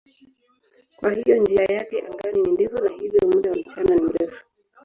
Kwa hiyo njia yake angani ni ndefu na hivyo muda wa mchana ni mrefu.